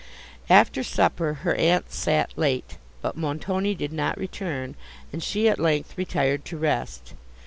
After supper, her aunt sat late, but Montoni did not return, and she at length retired to rest.